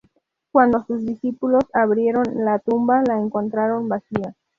Cuando sus discípulos abrieron la tumba, la encontraron vacía.